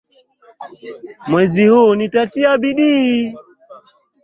Mwezi huu nitatia bidii